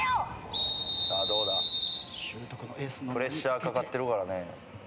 プレッシャーかかってるからね。